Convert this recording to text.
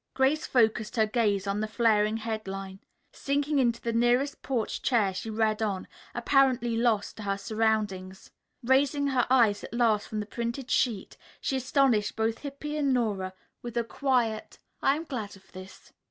Grace focused her gaze on the flaring headline. Sinking into the nearest porch chair she read on, apparently lost to her surroundings. Raising her eyes at last from the printed sheet she astonished both Hippy and Nora with a quiet, "I am glad of this."